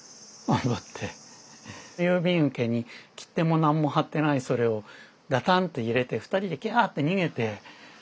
郵便受けに切手も何も貼ってないそれをガタンッて入れて二人で「キャーッ」って逃げて。